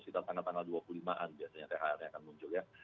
sekitar tanggal tanggal dua puluh lima an biasanya thr nya akan muncul ya